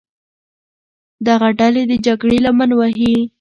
دغه ډلې د جګړې لمن وهي.